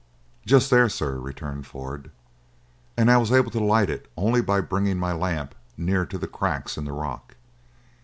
"Just there, sir," returned Ford, "and I was able to light it only by bringing my lamp near to the cracks in the rock.